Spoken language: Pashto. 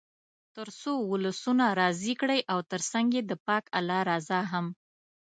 تر څو ولسونه راضي کړئ او تر څنګ یې د پاک الله رضا هم.